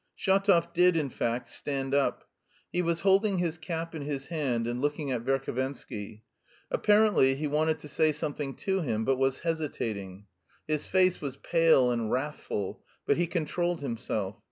Shatov did, in fact, stand up. He was holding his cap in his hand and looking at Verhovensky. Apparently he wanted to say something to him, but was hesitating. His face was pale and wrathful, but he controlled himself.